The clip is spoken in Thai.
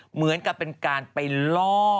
เหมือนกับเป็นการไปล่อ